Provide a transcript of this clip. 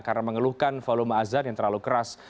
karena mengeluhkan volume azan yang terlalu keras